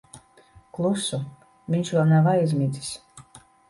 Klusu. Viņš vēl nav aizmidzis.